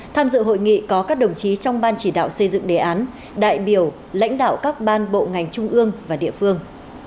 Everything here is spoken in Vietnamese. tham dự hội nghị có các đồng chí trong ban chỉ đạo xây dựng đề án đại biểu lãnh đạo các ban bộ ngành trung ương và địa phương